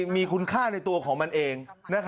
มีคุณค่าในตัวของมันเอง